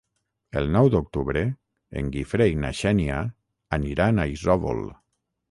El nou d'octubre en Guifré i na Xènia aniran a Isòvol.